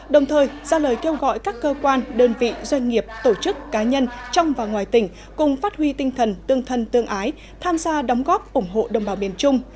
đồng thời ra lời kêu gọi các cơ quan đơn vị doanh nghiệp tổ chức cá nhân trong và ngoài tỉnh cùng phát huy tinh thần tương thân tương ái tham gia đóng góp ủng hộ đồng bào miền trung